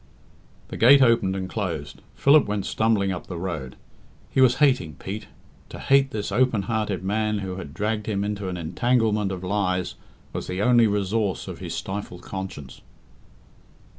The gate opened and closed, Philip went stumbling up the road. He was hating Pete. To hate this open hearted man who had dragged him into an entanglement of lies was the only resource of his stifled conscience.